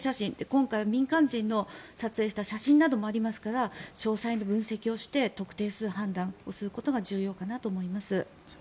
今回は民間人の撮影した写真などもありますから詳細な分析をして特定する判断をすることが重要かなと思います。